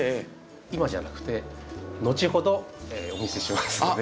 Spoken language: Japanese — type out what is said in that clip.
今じゃなくてのちほどお見せしますので。